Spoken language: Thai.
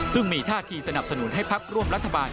ซึ่งมีท่าทีสนับสนุนให้พักร่วมรัฐบาล